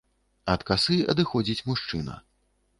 Ад касы адыходзіць мужчына.